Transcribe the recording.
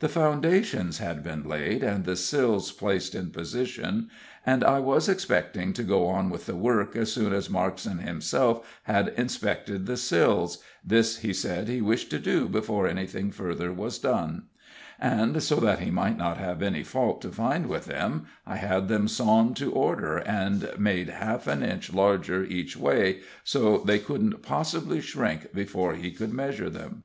The foundations had been laid, and the sills placed in position, and I was expecting to go on with the work as soon as Markson himself had inspected the sills this, he said, he wished to do before anything further was done; and, so that he might not have any fault to find with them, I had them sawn to order, and made half an inch larger each way, so they couldn't possibly shrink before he could measure them.